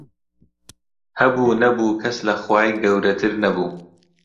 هەبوو نەبوو کەس لە خوای گەورەتر نەبوو